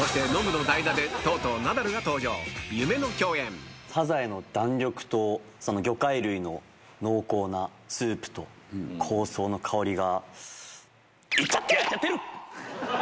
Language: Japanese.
そしてサザエの弾力とその魚介類の濃厚なスープと香草の香りが。